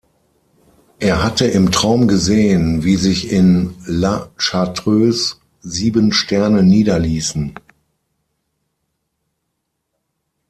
Er hatte im Traum gesehen, wie sich in "La Chartreuse" sieben Sterne niederließen.